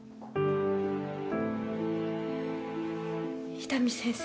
伊丹先生。